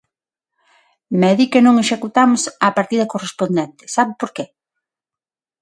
Me di que non executamos a partida correspondente, sabe por que?